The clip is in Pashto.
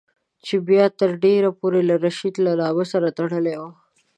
چې بیا تر ډېرو پورې له رشید له نامه سره تړلی وو.